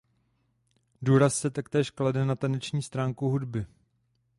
Důraz se taktéž klade na taneční stránku hudby.